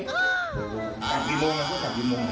กลับพี่โมงก็กลับพี่โมง